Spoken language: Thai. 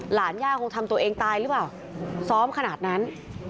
ย่าคงทำตัวเองตายหรือเปล่าซ้อมขนาดนั้น